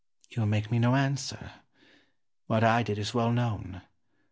You make me no answer. What I did is well known.